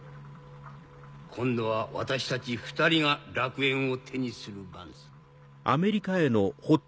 今度は私たち２人が楽園を手にする番さ。